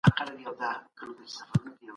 د پوهنتونونو کیفیت باید لا پسي لوړ سي.